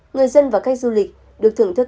người dân và các du lịch được thưởng thức